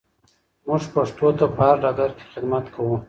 موږ پښتو ته په هر ډګر کې خدمت کوو.